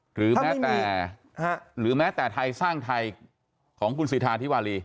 หรือแม้แต่หรือแม้แต่ไทยสร้างไทยของคุณสิทธาธิวารี